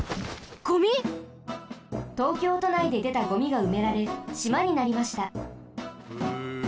ゴミ？東京都内ででたゴミがうめられしまになりました。